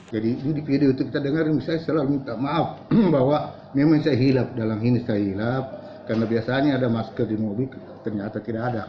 jadi di video itu kita dengar misalnya saya minta maaf bahwa memang saya hilaf dalam ini saya hilaf karena biasanya ada masker di mobil ternyata tidak ada